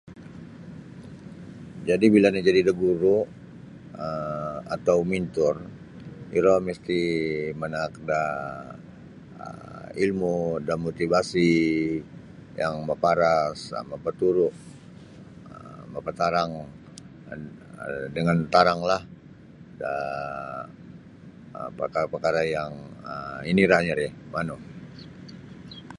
Jadi' bila najadi da guru' um atau mentor iro misti manaak daa um ilmu da motivasi yang maparas um mapaturu' mapatarang dengan taranglah um pakara' -pakara' yang um inira'nyo ri manu.